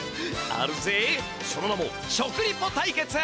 あるぜその名も食リポ対決！